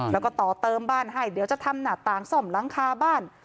แล้วก็ต่อเติมบ้านให้เดี๋ยวจะทำหน้าต่างซ่อมหลังคาบ้าน